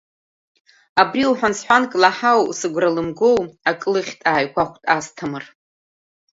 Абри уҳәан-сҳәанк лаҳау, сыгәра лымгоу, акы лыхьт, ааигәахәт Асҭамыр.